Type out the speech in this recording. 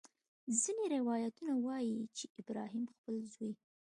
ځینې روایتونه وایي چې ابراهیم خپل زوی.